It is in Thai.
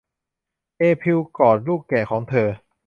เอพิลกอดลูกแกะของเธอ